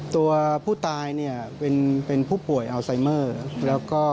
ตัวผู้ตายเป็นผู้ป่วยอัลไซมเมอร์